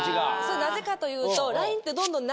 なぜかというと。